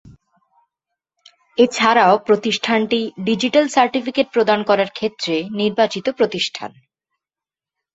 এছাড়াও প্রতিষ্ঠানটি digital certificate প্রদান করার ক্ষেত্রে নির্বাচিত প্রতিষ্ঠান।